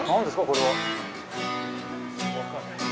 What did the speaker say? これは。